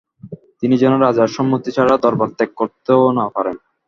তিনি যেন রাজার সম্মতি ছাড়া দরবার ত্যাগ করতেও না পারেন।